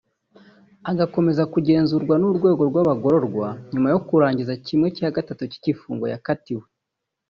agakomeza kugenzurwa n’ urwego rw’ abagororwa nyuma yo kurangiza kimwe cya gatandatu cy’ igifungo yakatiwe